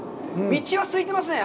道はすいてるね。